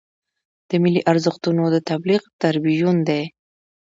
د ملي ارزښتونو د تبلیغ تربیون دی.